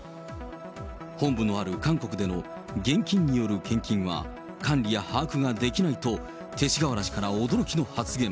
本部のある韓国での現金による献金は、管理や把握ができないと、勅使河原氏から驚きの発言。